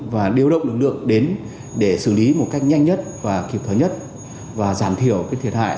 và điều động lực lượng đến để xử lý một cách nhanh nhất và kịp thời nhất và giảm thiểu thiệt hại